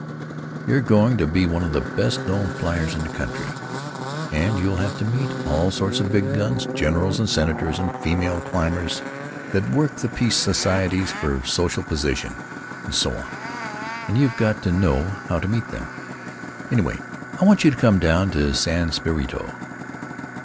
You're going to be one of the best known fliers in the country, and you'll have to meet all sorts of big guns—generals and Senators and female climbers that work the peace societies for social position, and so on, and you've got to know how to meet them.... Anyway, I want you to come to San Spirito."